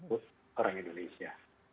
untuk orang indonesia